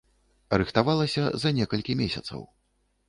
Рыхтавалася за некалькі месяцаў.